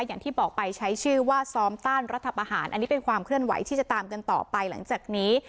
อย่างที่บอกไปใช้ชื่อว่าซ้อมต้านรัฐประหารอันนี้เป็นความเคลื่อนไหวที่จะตามกันต่อไปหลังจากนี้